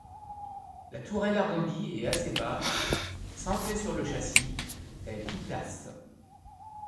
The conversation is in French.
La tourelle arrondie et assez basse, centrée sur le châssis, est biplace.